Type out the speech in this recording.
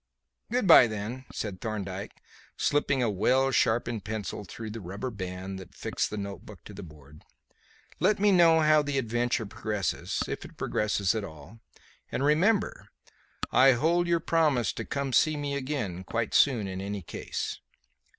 "Good bye, then," said Thorndyke, slipping a well sharpened pencil through the rubber band that fixed the notebook to the board. "Let me know how the adventure progresses if it progresses at all and remember, I hold your promise to come and see me again quite soon in any case."